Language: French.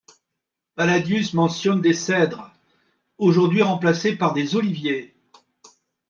Palladius mentionne des cèdres, aujourd'hui remplacés par des oliviers.